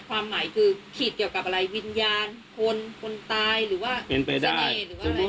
ความหมายคือขีดเกี่ยวกับอะไรวิญญาณคนคนตายหรือว่าเสน่ห์หรือว่าอะไร